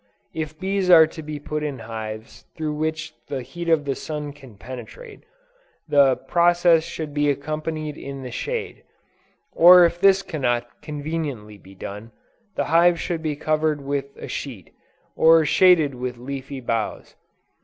If bees are to be put in hives through which the heat of the sun can penetrate, the process should be accomplished in the shade, or if this cannot conveniently be done, the hive should be covered with a sheet, or shaded with leafy boughs.